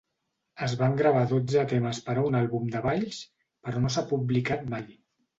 Es van gravar dotze temes per a un àlbum de Balls, però no s'ha publicat mai.